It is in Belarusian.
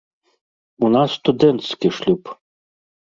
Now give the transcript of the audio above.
У нас студэнцкі шлюб.